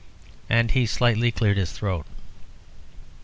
And he slightly cleared his throat.